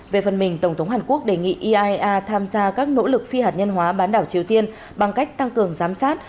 về phần mình tổng thống hàn quốc đề nghị iaea tham gia các nỗ lực phi hạt nhân hóa bán đảo triều tiên bằng cách tăng cường giám sát